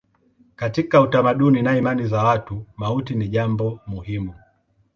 Katika utamaduni na imani za watu mauti ni jambo muhimu.